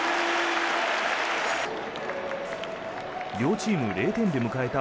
両チーム０点で迎えた